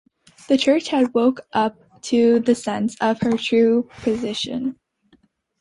The Church had woke up to the sense of her true position.